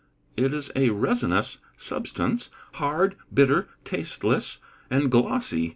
_ It is a resinous substance, hard, bitter, tasteless, and glossy.